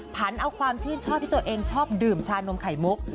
อันเอาความชื่นชอบที่ตัวเองชอบดื่มชานมไข่มุก